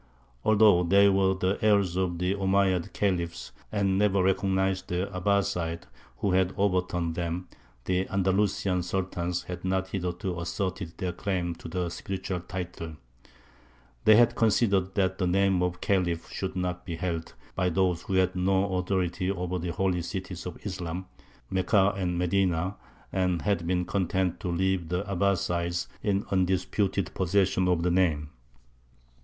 Although they were the heirs of the Omeyyad Khalifs, and never recognized the Abbāsides who had overturned them, the Andalusian Sultans had not hitherto asserted their claim to the spiritual title: they had considered that the name of Khalif should not be held by those who had no authority over the Holy Cities of Islam, Mekka and Medina, and had been content to leave the Abbāsides in undisputed possession of the name.